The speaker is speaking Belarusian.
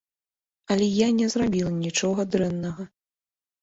Але я не зрабіла нічога дрэннага!